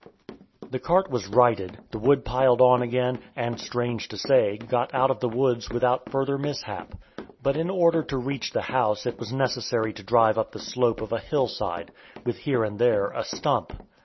The cart was righted, the wood piled on again, and, strange to say, got out of the woods without further mishap. But in order to reach the house it was necessary to drive up the slope of a hill side, with here and there a stump.